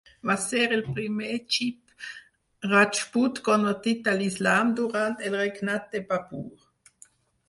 Va ser el primer Chib Rajput convertit a l'Islam durant el regnat de Babur.